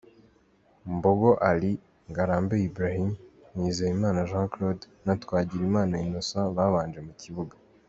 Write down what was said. Mbogo Ali, Ngarambe Ibrahim, Nizeyimana Jean Claude na Twagirimana Innocent babanje mu kibuga.